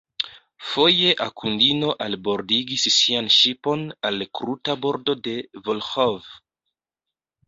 Foje Akundino albordigis sian ŝipon al kruta bordo de Volĥov.